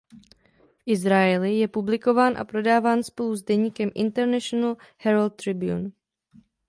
V Izraeli je publikován a prodáván spolu s deníkem International Herald Tribune.